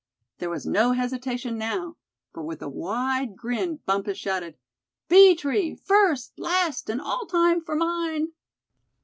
There was no hesitation now, for with a wide grin Bumpus shouted: "Bee tree, first, last and all time for mine!"